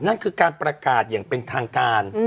นั่นคือการประกาศอย่างเป็นทางการ